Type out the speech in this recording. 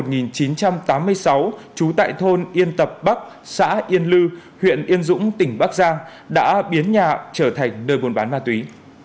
trú tại thôn yên tập bắc xã yên lư huyện yên dũng tỉnh bắc giang đã biến nhà trở thành nơi buôn bán ma túy